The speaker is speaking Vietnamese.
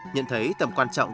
nhận thấy tầm quan trọng